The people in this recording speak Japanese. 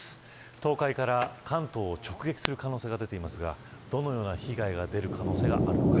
東海から関東を直撃する可能性が出ていますがどのような被害が出る可能性があるのか。